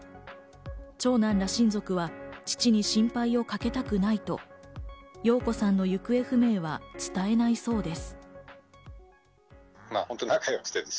長男ら親族は父に心配をかけたくないと陽子さんの行方不明は伝えないそうです。